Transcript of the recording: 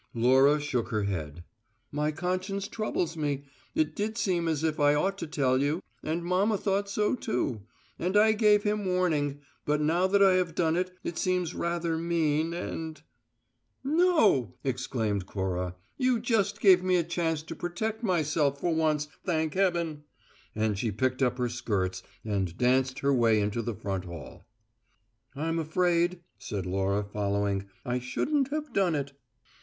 Laura shook her head. "My conscience troubles me; it did seem as if I ought to tell you and mamma thought so, too; and I gave him warning, but now that I have done it, it seems rather mean and " "No!" exclaimed Cora. "You just gave me a chance to protect myself for once, thank heaven!" And she picked up her skirts and danced her way into the front hall. "I'm afraid," said Laura, following, "I shouldn't have done it."